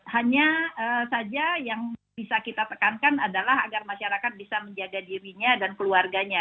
hanya saja yang bisa kita tekankan adalah agar masyarakat bisa menjaga dirinya dan keluarganya